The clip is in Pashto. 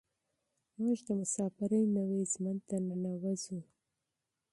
موږ د مساپرۍ نوي ژوند ته ننوځو.